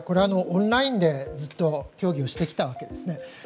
オンラインでずっと協議をしてきたわけですね。